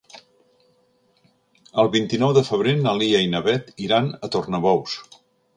El vint-i-nou de febrer na Lia i na Beth iran a Tornabous.